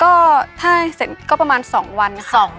ก็ถ้าเสร็จก็ประมาณ๒วันค่ะ